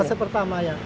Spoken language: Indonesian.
fase pertama ya